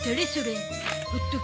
ほっとけば？